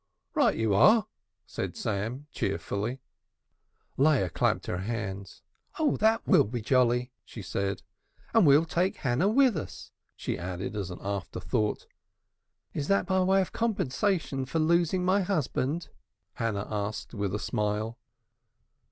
"Right you are," said Sam cheerfully. Leah clapped her hands. "Oh that will be jolly," she said. "And we'll take Hannah with us," she added as an afterthought. "Is that by way of compensation for losing my husband?" Hannah asked with a smile.